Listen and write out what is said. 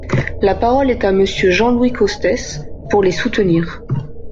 La parole est à Monsieur Jean-Louis Costes, pour les soutenir.